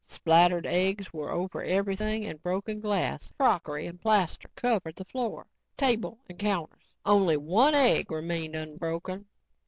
Splattered eggs were over everything and broken glass, crockery and plaster covered the floor, table and counters. Only one egg remained unbroken.